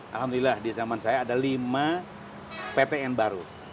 alhamdulillah di zaman saya ada lima ptn baru